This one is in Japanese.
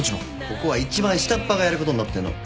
ここは一番下っ端がやることになってんの。